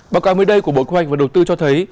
báo cáo mới đây của bộ khoa hành và đầu tư cho thấy